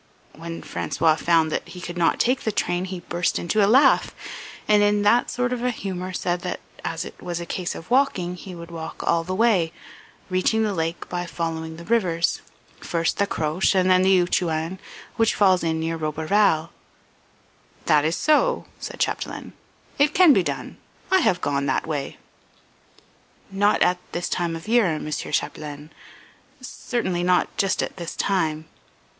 "When François found that he could not take the train he burst into a laugh, and in that sort of a humour said that as it was a case of walking he would walk all the way reaching the lake by following the rivers, first the Croche and then the Ouatchouan which falls in near Roberval." "That is so," said Chapdelaine. "It can be done. I have gone that way." "Not at this time of year, Mr. Chapdelaine, certainly not just at this time.